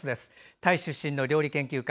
タイ出身の料理研究家